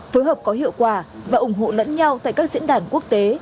phối hợp có hiệu quả và ủng hộ lẫn nhau tại các diễn đàn quốc tế